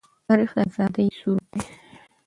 تاریخ د آزادۍ سرود دی.